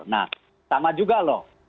nah sama juga loh